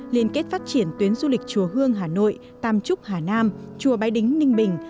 liên kết phát triển tuyến du lịch chùa hương hà nội tam trúc hà nam chùa bái đính ninh bình